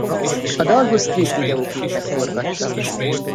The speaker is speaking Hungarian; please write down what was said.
A dalhoz két videoklipet forgattak.